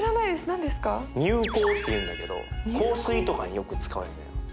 乳香っていうんだけど香水とかによく使われてる。